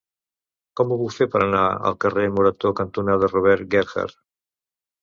Com ho puc fer per anar al carrer Morató cantonada Robert Gerhard?